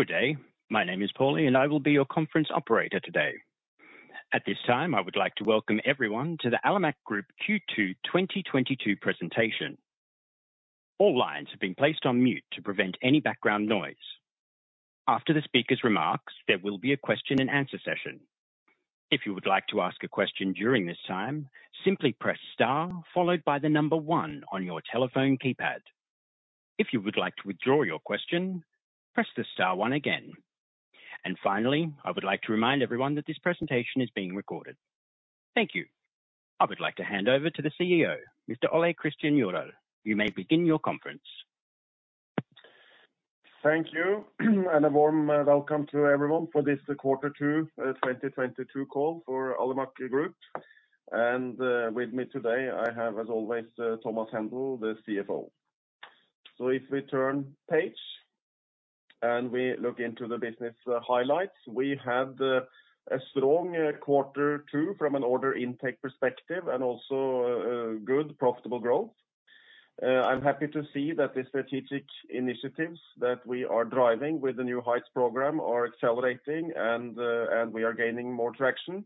Good day. My name is Paulie, and I will be your conference operator today. At this time, I would like to welcome everyone to the Alimak Group Q2 2022 presentation. All lines have been placed on mute to prevent any background noise. After the speaker's remarks, there will be a question and answer session. If you would like to ask a question during this time, simply press star followed by the number one on your telephone keypad. If you would like to withdraw your question, press the star one again. Finally, I would like to remind everyone that this presentation is being recorded. Thank you. I would like to hand over to the CEO, Mr. Ole Kristian Jødahl. You may begin your conference. Thank you. A warm welcome to everyone for this quarter two, 2022 call for Alimak Group. With me today, I have, as always, Thomas Hendel, the CFO. If we turn page and we look into the business highlights, we had a strong quarter two from an order intake perspective and also good profitable growth. I'm happy to see that the strategic initiatives that we are driving with the New Heights program are accelerating and we are gaining more traction.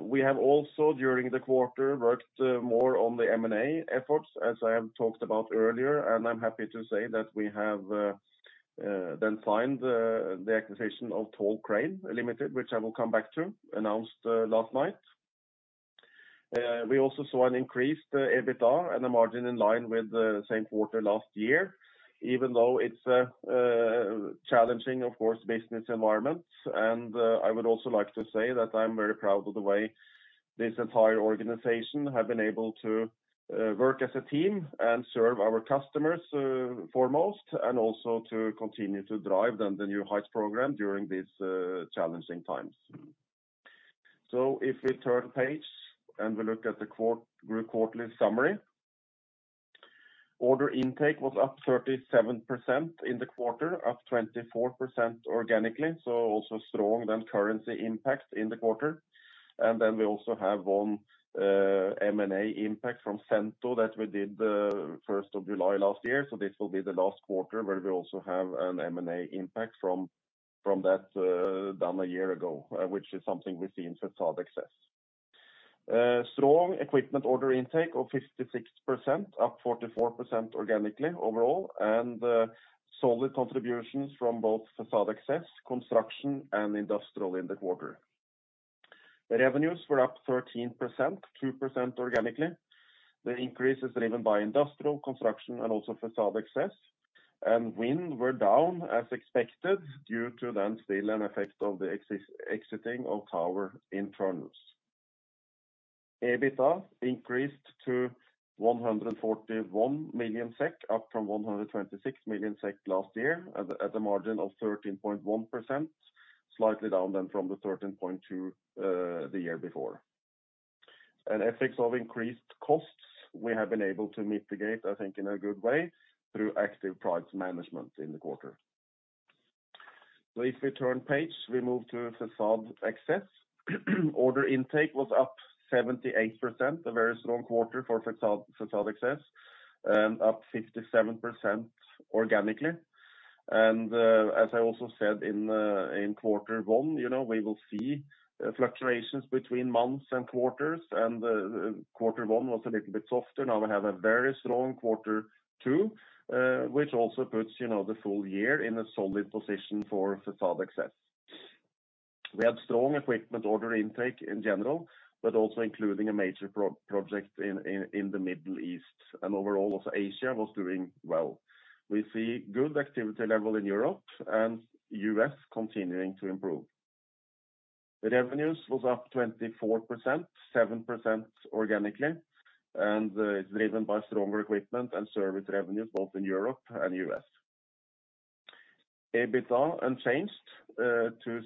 We have also during the quarter worked more on the M&A efforts, as I have talked about earlier, and I'm happy to say that we have then signed the acquisition of Tall Crane Equipment Ltd., which I will come back to, announced last night. We also saw an increased EBITDA and a margin in line with the same quarter last year, even though it's a challenging, of course, business environment. I would also like to say that I'm very proud of the way this entire organization have been able to work as a team and serve our customers foremost, and also to continue to drive the New Heights program during these challenging times. If we turn the page and we look at the group quarterly summary. Order intake was up 37% in the quarter, up 24% organically, so also stronger than currency impact in the quarter. Then we also have one M&A impact from Cento that we did the first of July last year. This will be the last quarter where we also have an M&A impact from that done a year ago, which is something we see in Facade Access. Strong equipment order intake of 56%, up 44% organically overall, and solid contributions from both Facade Access, Construction, and Industrial in the quarter. The revenues were up 13%, 2% organically. The increase is driven by Industrial, Construction, and also Facade Access. Wind were down as expected due to then still an effect of the exiting of tower internals. EBITDA increased to 141 million SEK, up from 126 million SEK last year at a margin of 13.1%, slightly down from the 13.2% the year before. Effects of increased costs we have been able to mitigate, I think, in a good way through active price management in the quarter. If we turn page, we move to Facade Access. Order intake was up 78%, a very strong quarter for Facade Access, up 57% organically. As I also said in quarter one, you know, we will see fluctuations between months and quarters, and the quarter one was a little bit softer. Now we have a very strong quarter two, which also puts, you know, the full year in a solid position for Facade Access. We had strong equipment order intake in general, but also including a major project in the Middle East. Overall also Asia was doing well. We see good activity level in Europe and U.S. continuing to improve. The revenues was up 24%, 7% organically, and is driven by stronger equipment and service revenues both in Europe and U.S.. EBITDA unchanged to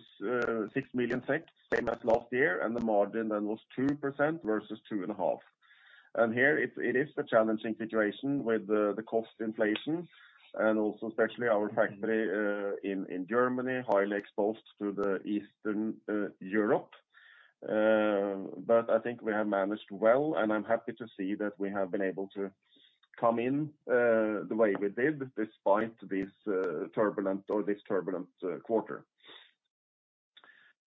6 million, same as last year, and the margin then was 2% versus 2.5%. Here it is a challenging situation with the cost inflation and also especially our factory in Germany, highly exposed to Eastern Europe. I think we have managed well, and I'm happy to see that we have been able to come in the way we did despite this turbulent quarter.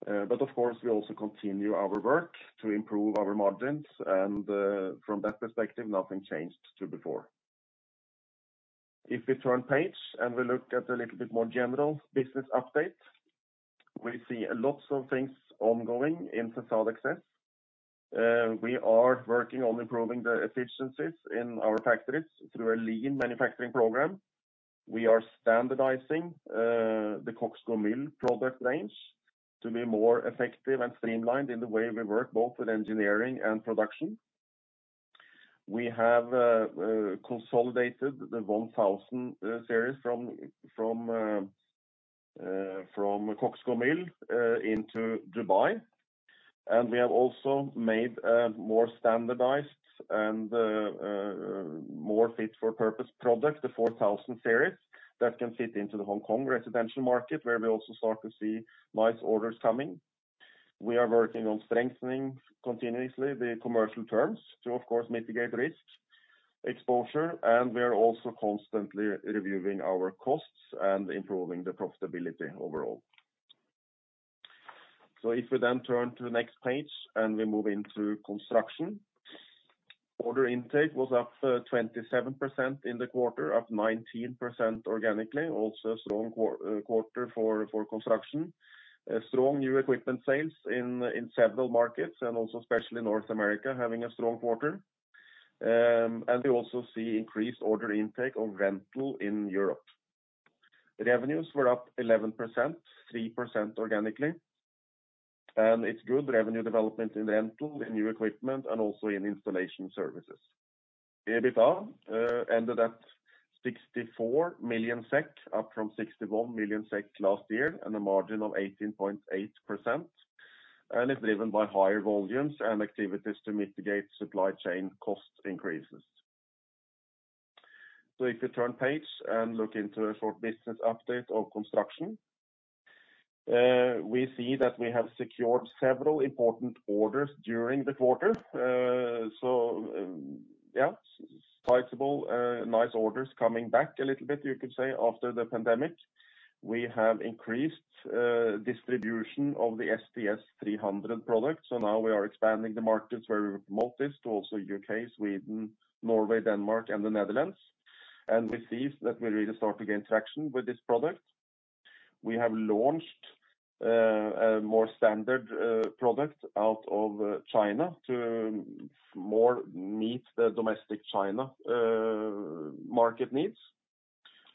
Of course, we also continue our work to improve our margins, and from that perspective, nothing changed to before. If we turn page and we look at a little bit more general business update, we see lots of things ongoing in Facade Access. We are working on improving the efficiencies in our factories through a lean manufacturing program. We are standardizing the CoxGomyl product range to be more effective and streamlined in the way we work both with engineering and production. We have consolidated the 1,000 series from CoxGomyl into Dubai. We have also made a more standardized and more fit for purpose product, the 4,000 series that can fit into the Hong Kong residential market, where we also start to see nice orders coming. We are working on strengthening continuously the commercial terms to, of course, mitigate risk exposure, and we are also constantly reviewing our costs and improving the profitability overall. If we then turn to the next page, and we move into construction. Order intake was up 27% in the quarter, up 19% organically. Also a strong quarter for construction. Strong new equipment sales in several markets and also especially North America having a strong quarter. We also see increased order intake of rental in Europe. The revenues were up 11%, 3% organically. It's good revenue development in rental, in new equipment, and also in installation services. EBITDA ended at 64 million SEK, up from 61 million SEK last year, and a margin of 18.8%. It's driven by higher volumes and activities to mitigate supply chain cost increases. If you turn page and look into a short business update of construction. We see that we have secured several important orders during the quarter. We see sizable, nice orders coming back a little bit, you could say, after the pandemic. We have increased distribution of the STS 300 product. Now we are expanding the markets where we promote this to also U.K., Sweden, Norway, Denmark, and the Netherlands. We see that we're really starting to gain traction with this product. We have launched a more standard product out of China to more meet the domestic China market needs.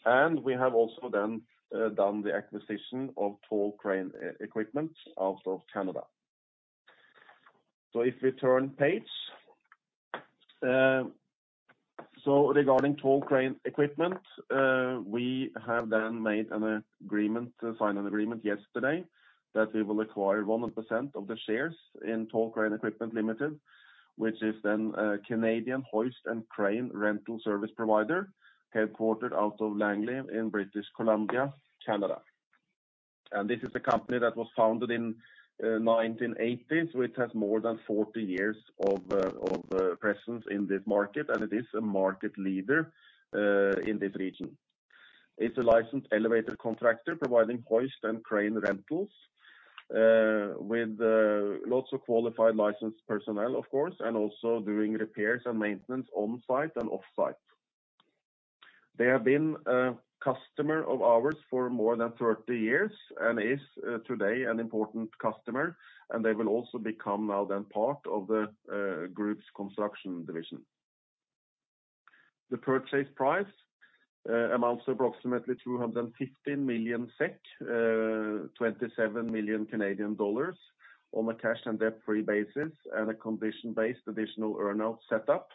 We have also done the acquisition of Tall Crane Equipment out of Canada. If we turn page. Regarding Tall Crane Equipment, we have then made an agreement, signed an agreement yesterday that we will acquire 100% of the shares in Tall Crane Equipment Ltd., which is then a Canadian hoist and crane rental service provider, headquartered out of Langley in British Columbia, Canada. This is a company that was founded in 1980, so it has more than 40 years of presence in this market, and it is a market leader in this region. It's a licensed elevator contractor providing hoist and crane rentals with lots of qualified licensed personnel, of course, and also doing repairs and maintenance on-site and off-site. They have been a customer of ours for more than 30 years and is today an important customer, and they will also become now then part of the group's construction division. The purchase price amounts to approximately 250 million SEK, 27 million Canadian dollars on a cash and debt-free basis and a condition-based additional earn-out setup,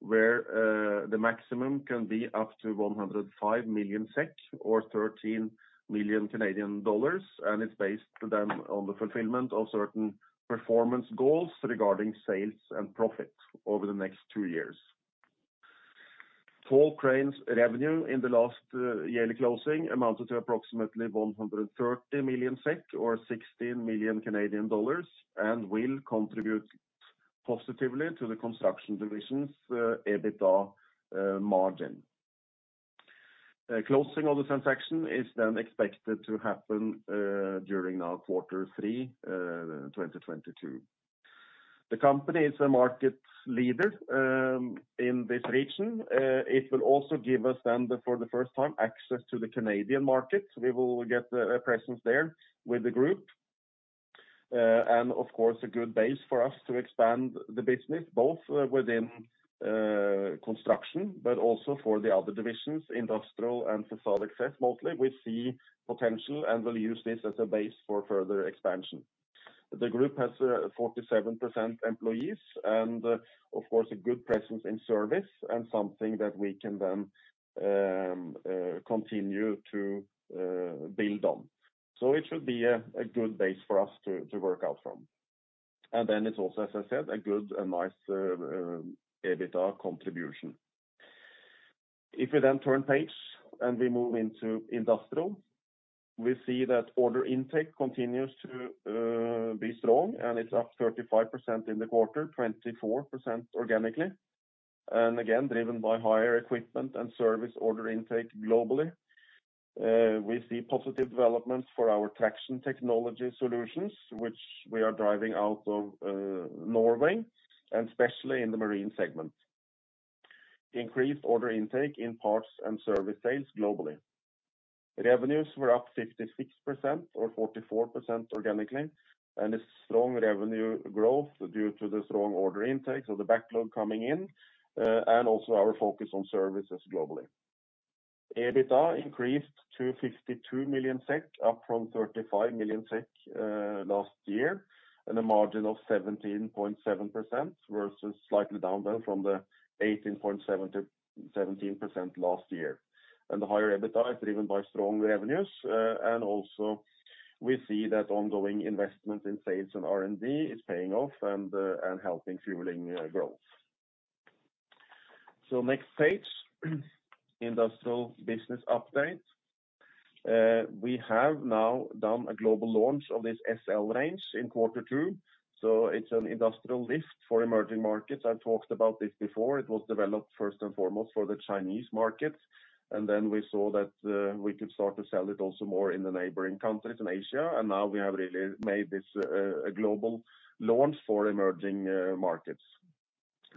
where the maximum can be up to 105 million SEK or 13 million Canadian dollars. It's based on the fulfillment of certain performance goals regarding sales and profit over the next two years. Tall Crane Equipment's revenue in the last yearly closing amounted to approximately 130 million SEK or 16 million Canadian dollars and will contribute positively to the construction division's EBITDA margin. Closing of the transaction is then expected to happen during quarter three, 2022. The company is a market leader in this region. It will also give us for the first time access to the Canadian market. We will get a presence there with the group. Of course, a good base for us to expand the business, both within construction, but also for the other divisions, Industrial and Facade Access. Mostly, we see potential and will use this as a base for further expansion. The group has 47% employees and of course, a good presence in service and something that we can then continue to build on. It should be a good base for us to work out from. Then it's also, as I said, a good and nice EBITDA contribution. If we then turn page and we move into Industrial, we see that order intake continues to be strong and it's up 35% in the quarter, 24% organically. Again, driven by higher equipment and service order intake globally. We see positive developments for our traction technology solutions, which we are driving out of Norway, and especially in the marine segment. Increased order intake in parts and service sales globally. Revenues were up 56% or 44% organically, and a strong revenue growth due to the strong order intake, the backlog coming in, and also our focus on services globally. EBITDA increased to 52 million SEK, up from 35 million SEK last year, and a margin of 17.7% versus slightly down then from the 18.7%-17% last year. The higher EBITDA is driven by strong revenues, and also we see that ongoing investment in sales and R&D is paying off and helping fuel growth. Next page, industrial business update. We have now done a global launch of this SL range in quarter two. It's an industrial lift for emerging markets. I've talked about this before. It was developed first and foremost for the Chinese market, and then we saw that we could start to sell it also more in the neighboring countries in Asia. Now we have really made this a global launch for emerging markets.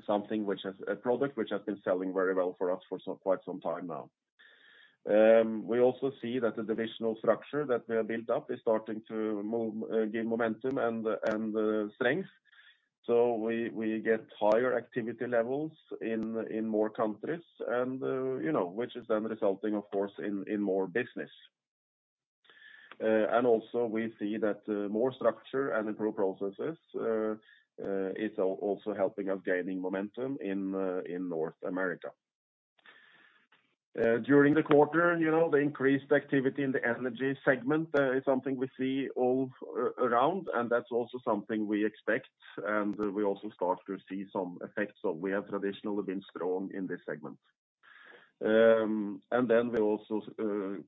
A product which has been selling very well for us for quite some time now. We also see that the divisional structure that we have built up is starting to gain momentum and strength. We get higher activity levels in more countries and, you know, which is then resulting of course in more business. We also see that more structure and improved processes is also helping us gaining momentum in North America. During the quarter, you know, the increased activity in the energy segment is something we see all around, and that's also something we expect and we also start to see some effects of. We have traditionally been strong in this segment. We also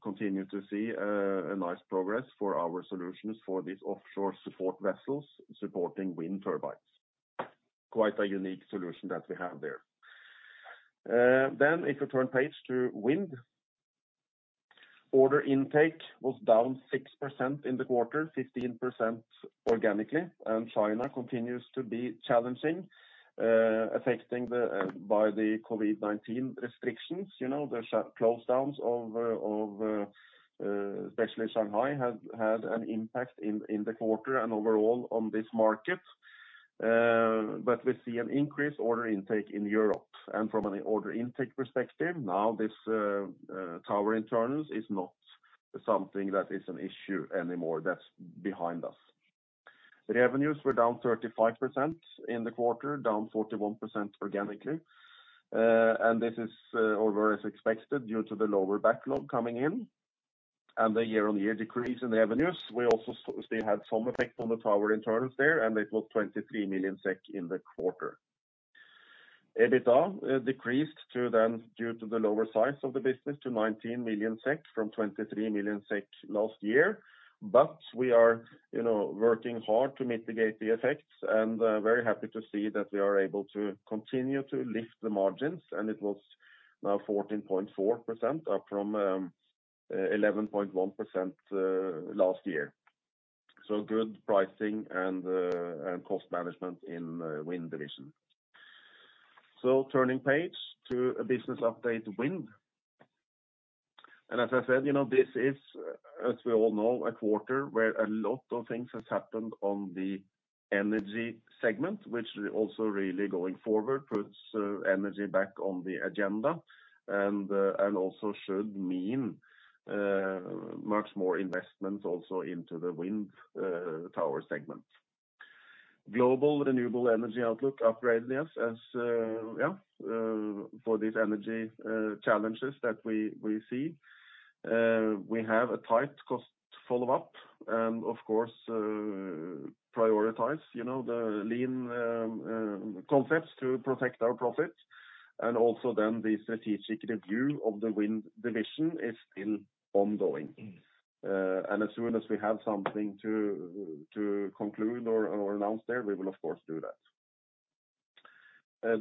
continue to see a nice progress for our solutions for these offshore support vessels supporting wind turbines. Quite a unique solution that we have there. If you turn page to wind. Order intake was down 6% in the quarter, 15% organically, and China continues to be challenging, affecting by the COVID-19 restrictions. You know, the shutdowns and closures of especially Shanghai has had an impact in the quarter and overall on this market. We see an increased order intake in Europe and from an order intake perspective now this tower internals is not something that is an issue anymore. That's behind us. The revenues were down 35% in the quarter, down 41% organically. This is all as expected, due to the lower backlog coming in and the year-on-year decrease in the revenues. We also still had some effect on the tower internals there, and it was 23 million SEK in the quarter. EBITDA decreased to the lower size of the business to 19 million SEK from 23 million SEK last year. We are, you know, working hard to mitigate the effects and very happy to see that we are able to continue to lift the margins. It was now 14.4% up from 11.1% last year. Good pricing and cost management in the wind division. Turning page to a business update, wind. As I said, you know, this is, as we all know, a quarter where a lot of things has happened on the energy segment, which also really going forward puts energy back on the agenda and also should mean much more investment also into the wind tower segment. Global Renewable Energy Outlook upgraded us as for these energy challenges that we see. We have a tight cost follow-up and of course, prioritize, you know, the lean concepts to protect our profit. Also then the strategic review of the wind division is still ongoing. As soon as we have something to conclude or announce there, we will of course do that.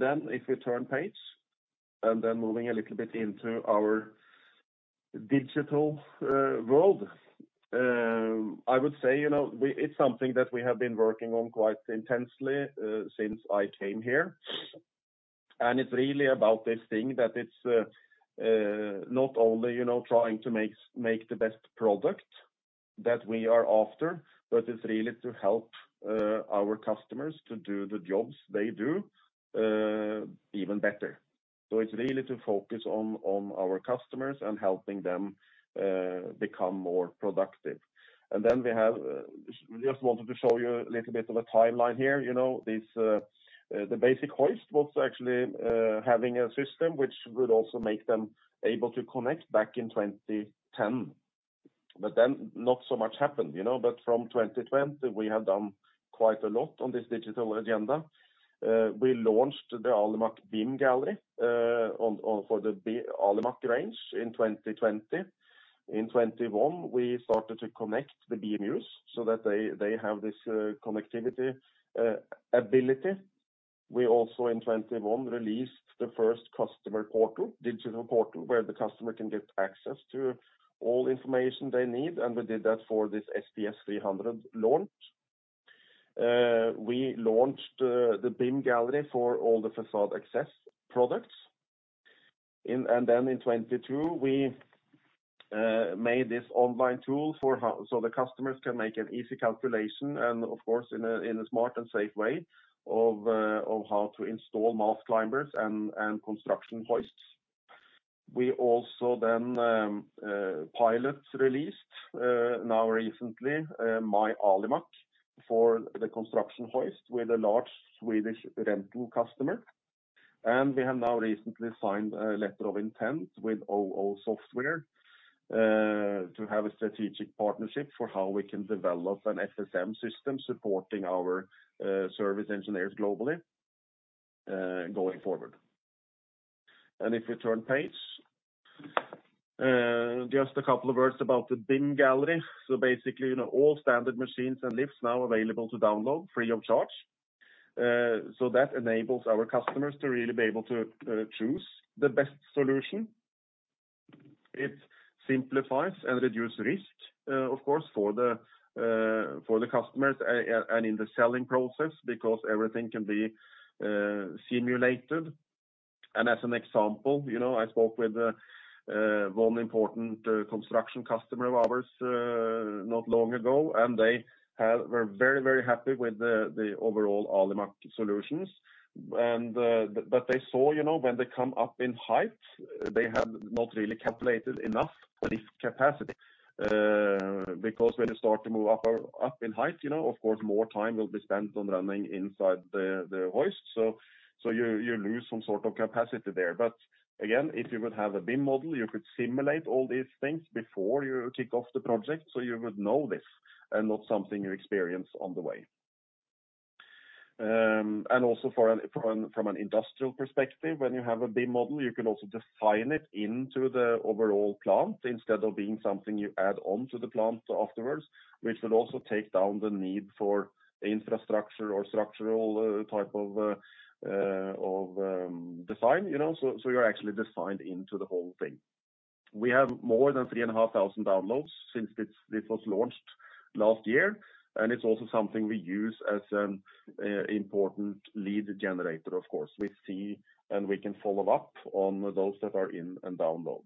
Then if we turn page and then moving a little bit into our digital world. I would say, you know, it's something that we have been working on quite intensely since I came here. It's really about this thing that it's not only, you know, trying to make the best product that we are after, but it's really to help our customers to do the jobs they do even better. It's really to focus on our customers and helping them become more productive. We have just wanted to show you a little bit of a timeline here. You know, this the basic hoist was actually having a system which could also make them able to connect back in 2010, but then not so much happened, you know. From 2020, we have done quite a lot on this digital agenda. We launched the Alimak BIM gallery for the BIM Alimak range in 2020. In 2021, we started to connect the BMUs so that they have this connectivity ability. We also in 2021 released the first customer portal, digital portal, where the customer can get access to all information they need, and we did that for this STS 300 launch. We launched the BIM gallery for all the facade access products. In 2022, we made this online tool so the customers can make an easy calculation and of course in a smart and safe way of how to install mast climbers and construction hoists. We also pilot released now recently My Alimak for the construction hoist with a large Swedish rental customer. We have now recently signed a letter of intent with OO Software to have a strategic partnership for how we can develop an FSM system supporting our service engineers globally going forward. If we turn the page. Just a couple of words about the BIM gallery. Basically, you know, all standard machines and lifts now available to download free of charge. That enables our customers to really be able to choose the best solution. It simplifies and reduces risk, of course, for the customers and in the selling process because everything can be simulated. As an example, you know, I spoke with one important construction customer of ours not long ago, and they were very, very happy with the overall Alimak solutions. But they saw, you know, when they come up in height, they have not really calculated enough lift capacity. Because when you start to move up in height, you know, of course, more time will be spent on running inside the hoist. You lose some sort of capacity there. Again, if you would have a BIM model, you could simulate all these things before you kick off the project, so you would know this and not something you experience on the way. Also from an industrial perspective, when you have a BIM model, you can also define it into the overall plant instead of being something you add on to the plant afterwards, which will also take down the need for infrastructure or structural type of design, you know. You're actually designed into the whole thing. We have more than 3,500 downloads since this was launched last year, and it's also something we use as an important lead generator, of course. We see and we can follow up on those that are in and download.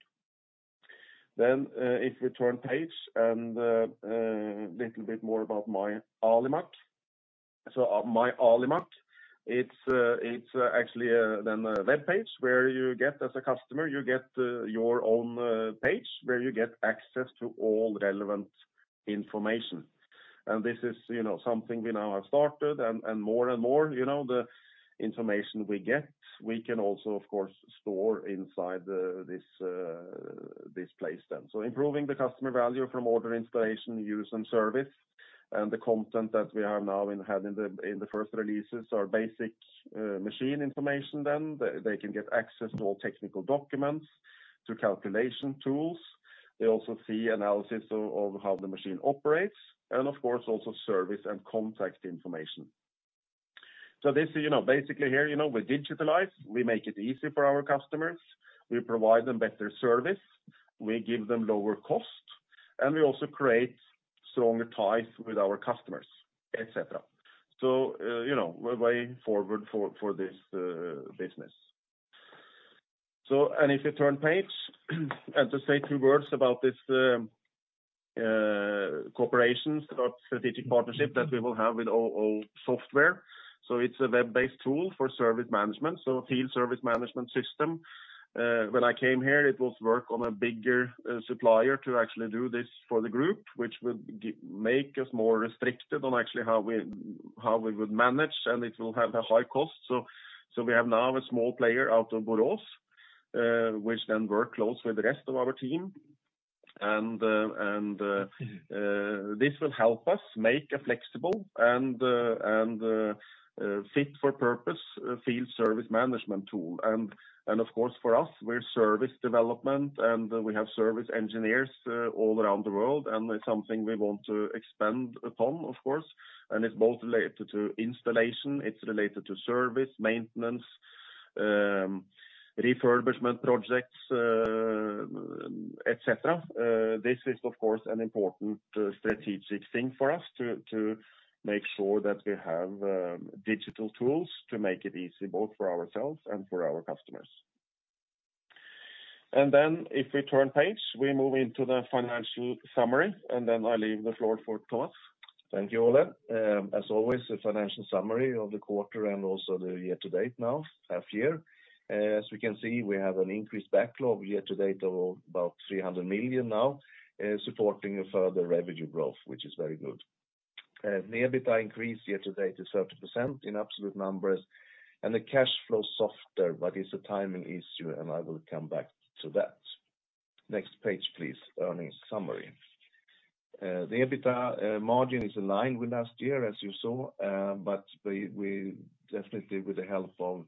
If we turn page and little bit more about My Alimak. My Alimak, it's actually then a webpage where you get as a customer you get your own page where you get access to all relevant information. This is, you know, something we now have started and more and more, you know, the information we get, we can also, of course, store inside this place then. Improving the customer value from order installation, use and service, and the content that we have now in the first releases are basic machine information then. They can get access to all technical documents, to calculation tools. They also see analysis of how the machine operates, and of course, also service and contact information. This, basically here, we digitalize, we make it easy for our customers, we provide them better service, we give them lower cost, and we also create stronger ties with our customers, et cetera. A way forward for this business. If you turn the page to say two words about this cooperation, about strategic partnership that we will have with OO Software. It's a web-based tool for service management, a field service management system. When I came here, we were working on a bigger supplier to actually do this for the group, which would make us more restricted on actually how we would manage, and it will have a high cost. We have now a small player out of Borås, which then work close with the rest of our team. This will help us make a flexible and fit for purpose field service management tool. Of course, for us, we're service development, and we have service engineers all around the world, and it's something we want to expand upon, of course. It's both related to installation, it's related to service, maintenance, refurbishment projects, et cetera. This is, of course, an important strategic thing for us to make sure that we have digital tools to make it easy both for ourselves and for our customers. Then if we turn page, we move into the financial summary, and then I leave the floor for Thomas. Thank you, Ole. As always, the financial summary of the quarter and also the year to date now, half year. As we can see, we have an increased backlog year to date of about 300 million now, supporting a further revenue growth, which is very good. The EBITDA increase year to date is 30% in absolute numbers, and the cash flow softer, but it's a timing issue, and I will come back to that. Next page, please. Earnings summary. The EBITDA margin is in line with last year, as you saw, but we definitely with the help of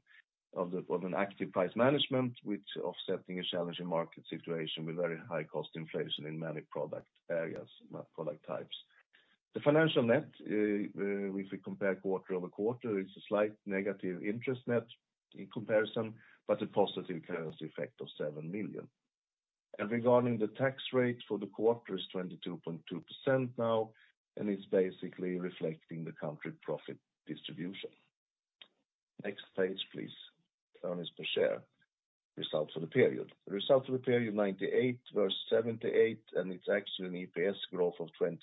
an active price management, which offsetting a challenging market situation with very high cost inflation in many product areas, product types. The financial net, if we compare quarter-over-quarter, it's a slight negative interest net in comparison, but a positive currency effect of 7 million. Regarding the tax rate for the quarter is 22.2% now, and it's basically reflecting the country profit distribution. Next page, please. Earnings per share results for the period. The result for the period, 98 versus 78, and it's actually an EPS growth of 26%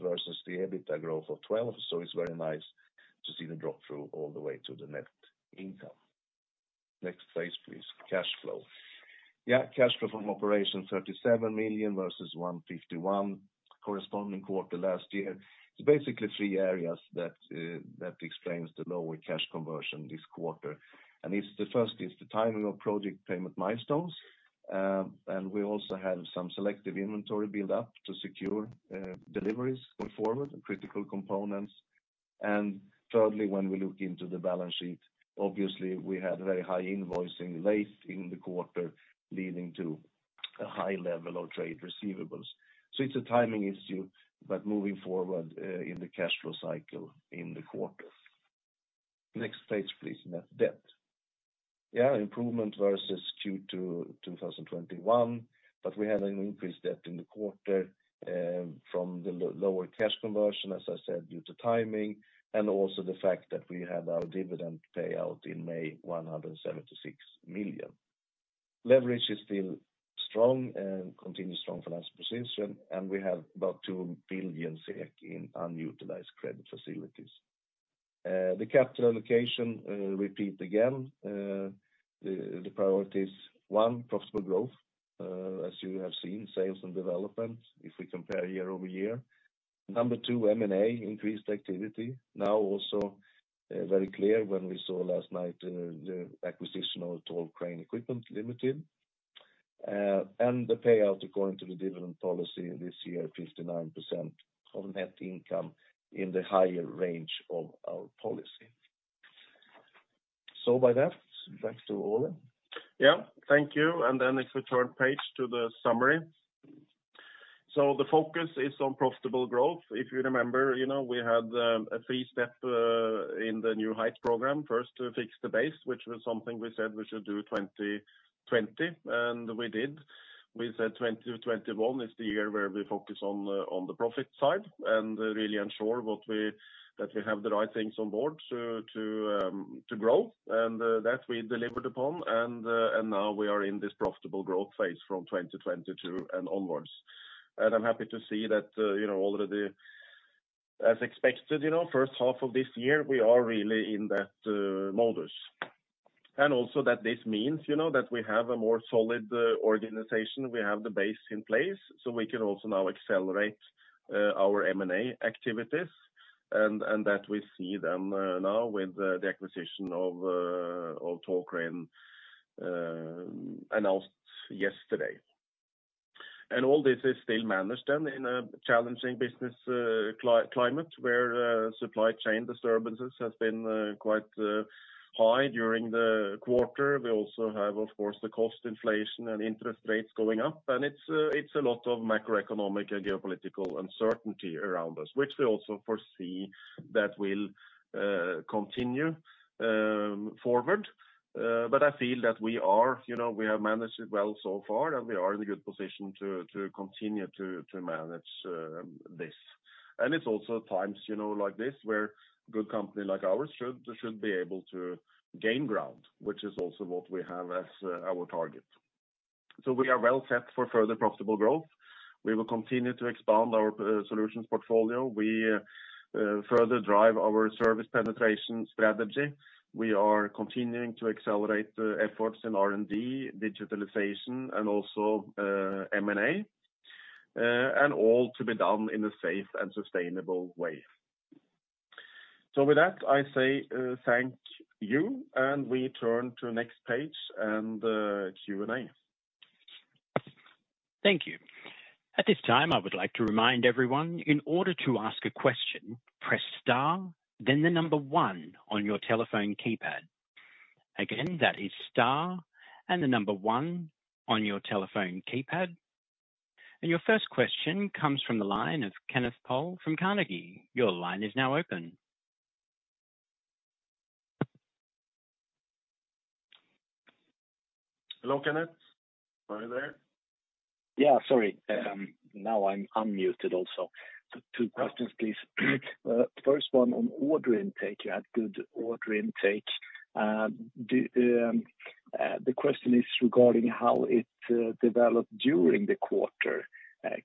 versus the EBITDA growth of 12%. It's very nice to see the drop through all the way to the net income. Next page, please. Cash flow. Yeah, cash flow from operations, 37 million versus 151 million corresponding quarter last year. It's basically three areas that explains the lower cash conversion this quarter. It's the first is the timing of project payment milestones, and we also have some selective inventory build-up to secure deliveries going forward, critical components. Thirdly, when we look into the balance sheet, obviously we had very high invoicing late in the quarter, leading to a high level of trade receivables. It's a timing issue, but moving forward in the cash flow cycle in the quarter. Next page, please, net debt. Yeah, improvement versus Q2 2021, but we had an increased debt in the quarter from the lower cash conversion, as I said, due to timing and also the fact that we had our dividend payout in May, 176 million. Leverage is still strong and continued strong financial position, and we have about 2 billion SEK in unutilized credit facilities. The capital allocation, repeat again, the priorities. One, profitable growth, as you have seen, sales and development if we compare year-over-year. Number two, M&A increased activity. Now also, very clear when we saw last night, the acquisition of Tall Crane Equipment Ltd. The payout according to the dividend policy this year, 59% of net income in the higher range of our policy. By that, back to Ole. Yeah. Thank you. If we turn page to the summary. The focus is on profitable growth. If you remember, you know, we had a three-step in the New Heights program. First, to fix the base, which was something we said we should do 2020, and we did. We said 2020-2021 is the year where we focus on the profit side and really ensure that we have the right things on board to grow and that we delivered upon. Now we are in this profitable growth phase from 2022 and onwards. I'm happy to see that, you know, already as expected, you know, first half of this year, we are really in that mode. Also that this means, you know, that we have a more solid organization. We have the base in place, so we can also now accelerate our M&A activities and that we see them now with the acquisition of Tall Crane announced yesterday. All this is still managed then in a challenging business climate where supply chain disturbances has been quite high during the quarter. We also have, of course, the cost inflation and interest rates going up, and it's a lot of macroeconomic and geopolitical uncertainty around us, which we also foresee that will continue forward. I feel that we are, you know, we have managed it well so far, and we are in a good position to continue to manage this. It's also times, you know, like this where good company like ours should be able to gain ground, which is also what we have as our target. We are well set for further profitable growth. We will continue to expand our solutions portfolio. We further drive our service penetration strategy. We are continuing to accelerate the efforts in R&D, digitalization and also M&A, and all to be done in a safe and sustainable way. With that, I say thank you, and we turn to next page and Q&A. Thank you. At this time, I would like to remind everyone, in order to ask a question, press star, then the number one on your telephone keypad. Again, that is star and the number one on your telephone keypad. Your first question comes from the line of Kenneth Toll from Carnegie. Your line is now open. Hello, Kenneth. Are you there? Yeah, sorry. Now I'm unmuted also. Two questions, please. First one on order intake. You had good order intake. The question is regarding how it developed during the quarter.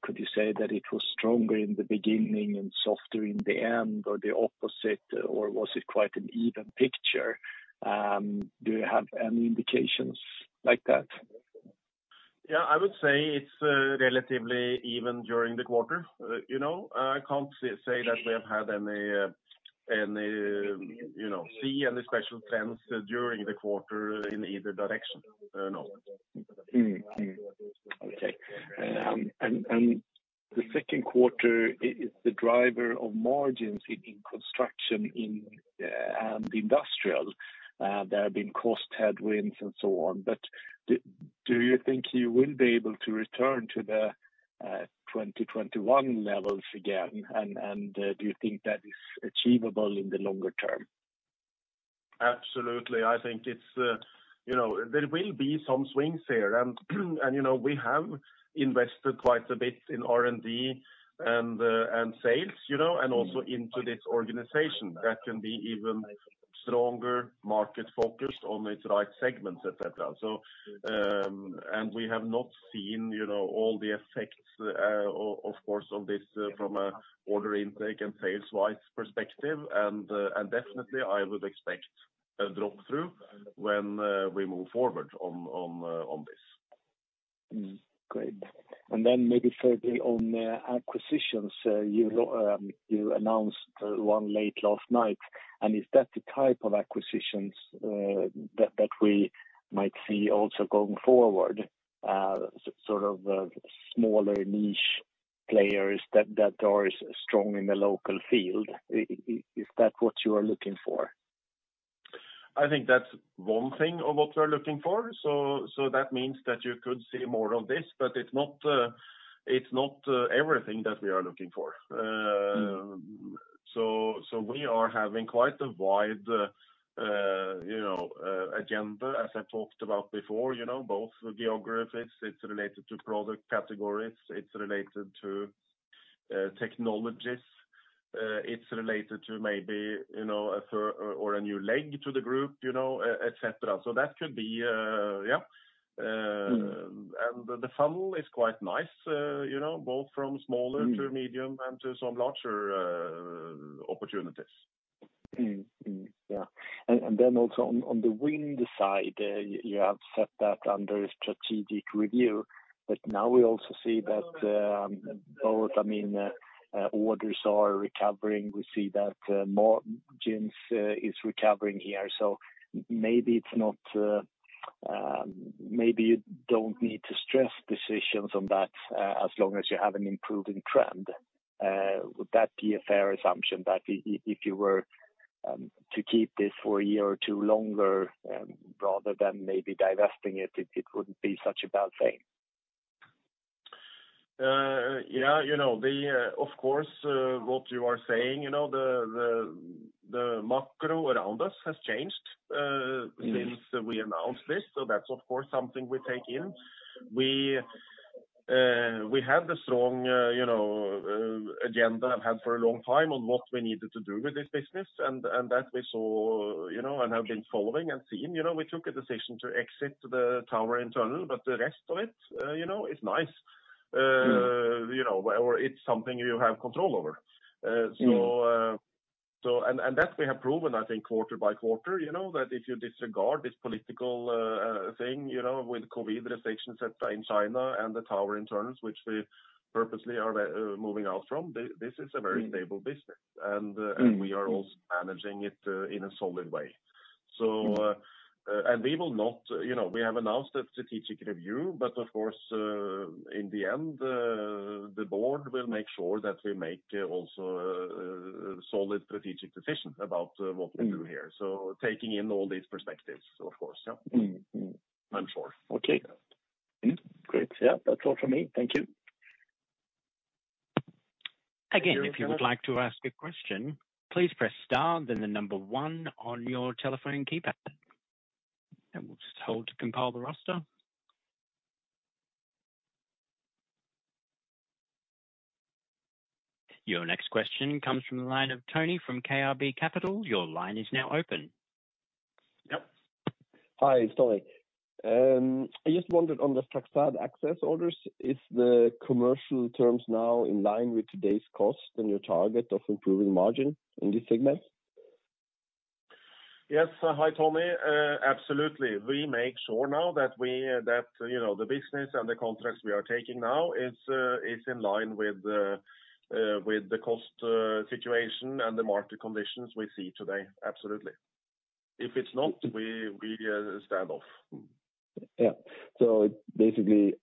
Could you say that it was stronger in the beginning and softer in the end, or the opposite, or was it quite an even picture? Do you have any indications like that? Yeah. I would say it's relatively even during the quarter. You know, I can't say that we have had any, you know, see any special trends during the quarter in either direction or not. Mm-hmm. Okay. The second quarter is the driver of margins in construction in the industrial. There have been cost headwinds and so on. Do you think you will be able to return to the 2021 levels again? Do you think that is achievable in the longer term? Absolutely. I think it's, you know, there will be some swings here and, you know, we have invested quite a bit in R&D and sales, you know, and also into this organization that can be even stronger market-focused on its right segments, et cetera. We have not seen, you know, all the effects, of course, on this from an order intake and sales-wise perspective. Definitely I would expect a drop through when we move forward on this. Mm-hmm. Great. Maybe thirdly on acquisitions. You announced one late last night. Is that the type of acquisitions that we might see also going forward? Sort of smaller niche players that are strong in the local field. Is that what you are looking for? I think that's one thing of what we're looking for. That means that you could see more of this, but it's not everything that we are looking for. Mm-hmm. We are having quite a wide, you know, agenda as I talked about before, you know, both geographies. It's related to product categories, it's related to technologies, it's related to maybe, you know, or a new leg to the group, you know, et cetera. That could be, yeah. The funnel is quite nice, you know, both from smaller to medium and to some larger opportunities. Mm-hmm. Yeah. Then also on the wind side, you have set that under strategic review. Now we also see that both, I mean, orders are recovering. We see that more GW is recovering here. Maybe you don't need to stress decisions on that as long as you have an improving trend. Would that be a fair assumption that if you were to keep this for a year or two longer rather than maybe divesting it wouldn't be such a bad thing? Yeah, you know, of course what you are saying, you know, the macro around us has changed. Mm-hmm. Since we announced this. That's of course something we take in. We have the strong, you know, agenda we have had for a long time on what we needed to do with this business and that we saw, you know, and have been following and seeing. You know, we took a decision to exit the tower internals, but the rest of it, you know, is nice. Mm-hmm. You know, or it's something you have control over. Mm-hmm. That we have proven, I think, quarter by quarter, you know, that if you disregard this political thing, you know, with COVID restrictions, et cetera, in China and the tower internals, which we purposely are moving out from, this is a very stable business. Mm-hmm. We are also managing it in a solid way. Mm-hmm. You know, we have announced a strategic review, but of course, in the end, the Board will make sure that we make also solid strategic decisions about what we do here. Mm-hmm. Taking in all these perspectives, of course. Yeah. Mm-hmm. Mm-hmm. I'm sure. Okay. Great. Yeah. That's all for me. Thank you. Again, if you would like to ask a question, please press star then the number one on your telephone keypad. We'll just hold to compile the roster. Your next question comes from the line of Tony from KRB Capital. Your line is now open. Yep. Hi, it's Tony. I just wondered on the Facade Access orders, is the commercial terms now in line with today's cost and your target of improving margin in this segment? Yes. Hi, Tony. Absolutely. We make sure now that, you know, the business and the contracts we are taking now is in line with the cost situation and the market conditions we see today. Absolutely. If it's not, we stand off. Yeah. Basically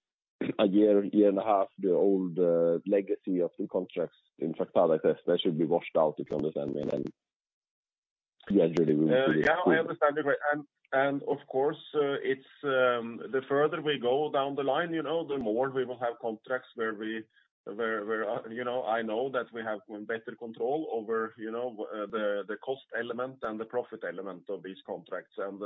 a year and a half, the old legacy of the contracts in Facade Access, that should be washed out if you understand me, then gradually we- Yeah, I understand you great. Of course, it's the further we go down the line, you know, the more we will have contracts where we where you know I know that we have better control over, you know, the cost element and the profit element of these contracts and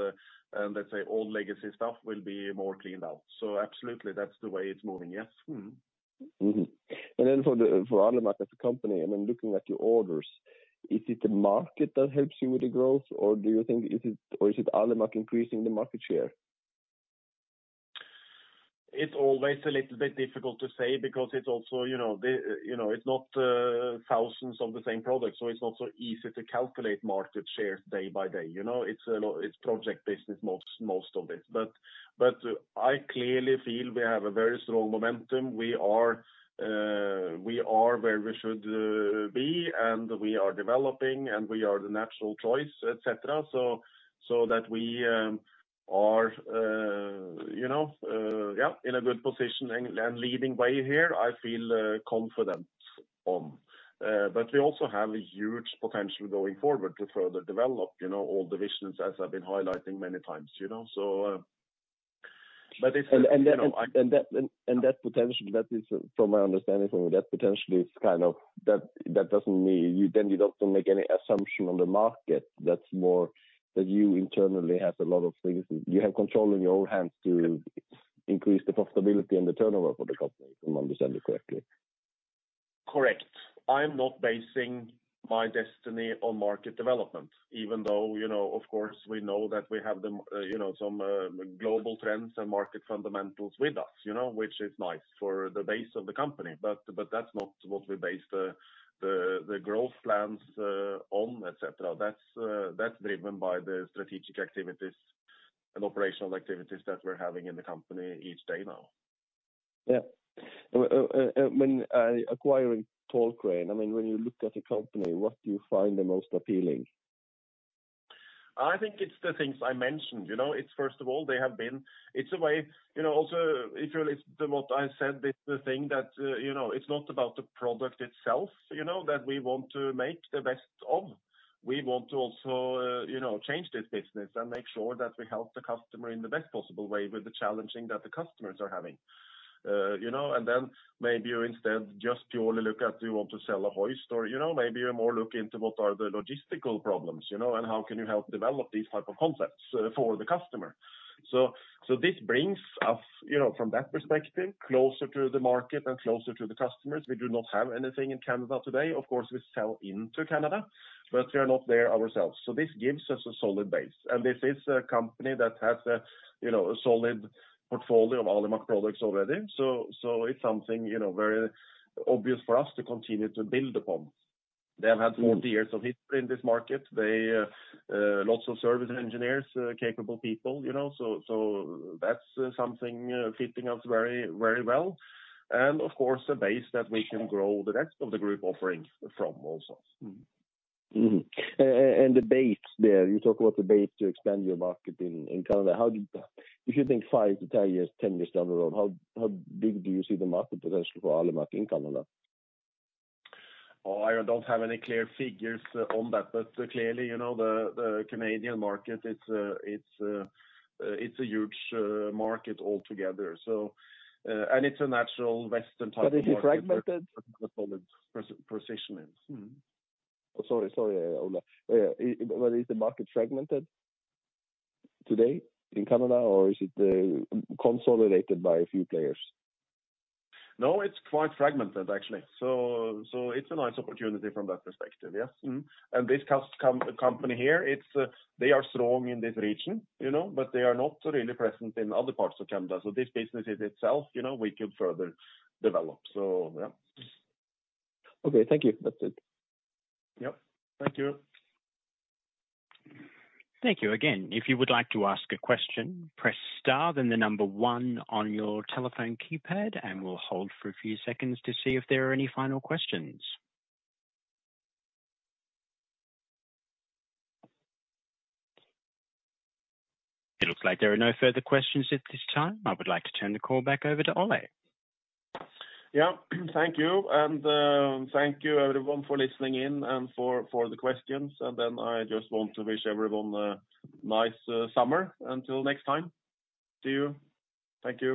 let's say all legacy stuff will be more cleaned out. Absolutely, that's the way it's moving. Yes. Mm-hmm. For Alimak as a company, I mean, looking at your orders, is it the market that helps you with the growth, or is it Alimak increasing the market share? It's always a little bit difficult to say because it's also, you know, the, you know, it's not thousands of the same product, so it's not so easy to calculate market shares day by day. You know, it's project business most of it. I clearly feel we have a very strong momentum. We are where we should be, and we are developing, and we are the natural choice, et cetera. That we are, you know, yeah, in a good position and leading the way here, I feel confident on. We also have a huge potential going forward to further develop, you know, all divisions as I've been highlighting many times, you know. But if- And, and then- You know. That potential, that is from my understanding, that potential is kind of. That doesn't mean you don't make any assumption on the market. That's more that you internally have a lot of things. You have control in your own hands to increase the profitability and the turnover for the company, if I understand you correctly. Correct. I'm not basing my destiny on market development, even though, you know, of course, we know that we have the, you know, some global trends and market fundamentals with us, you know, which is nice for the base of the company. That's not what we base the growth plans on, et cetera. That's driven by the strategic activities and operational activities that we're having in the company each day now. Yeah. When acquiring Tall Crane, I mean, when you look at the company, what do you find the most appealing? I think it's the things I mentioned. You know, it's first of all, they have been. It's a way, you know, also if you list what I said, it's the thing that, you know, it's not about the product itself, you know, that we want to make the best of. We want to also, you know, change this business and make sure that we help the customer in the best possible way with the challenges that the customers are having. You know, and then maybe you instead just purely look at do you want to sell a hoist or you know, maybe you more look into what are the logistical problems, you know, and how can you help develop these type of concepts, for the customer. This brings us, you know, from that perspective, closer to the market and closer to the customers. We do not have anything in Canada today. Of course, we sell into Canada, but we are not there ourselves. This gives us a solid base. This is a company that has a, you know, a solid portfolio of Alimak products already. It's something, you know, very obvious for us to continue to build upon. They have had 40 years of history in this market. They lots of service engineers, capable people, you know. That's something fitting us very, very well. Of course, a base that we can grow the rest of the group offerings from also. The base there, you talk about the base to extend your marketing in Canada. How? If you think five years, 10 years, 10 years down the road, how big do you see the market for those Alimak in Canada? Oh, I don't have any clear figures on that. Clearly, you know, the Canadian market, it's a huge market altogether. It's a natural western type of market. Is it fragmented? With solid positioning. Sorry, Ole. Is the market fragmented today in Canada, or is it consolidated by a few players? No, it's quite fragmented, actually. It's a nice opportunity from that perspective, yes. Mm-hmm. This company here, it's, they are strong in this region, you know, but they are not really present in other parts of Canada. This business in itself, you know, we could further develop. Yeah. Okay, thank you. That's it. Yep. Thank you. Thank you again. If you would like to ask a question, press star then the number one on your telephone keypad, and we'll hold for a few seconds to see if there are any final questions. It looks like there are no further questions at this time. I would like to turn the call back over to Ole. Yeah. Thank you. Thank you everyone for listening in and for the questions. I just want to wish everyone a nice summer. Until next time. See you. Thank you.